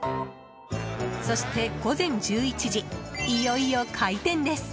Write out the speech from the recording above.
そして午前１１時いよいよ開店です。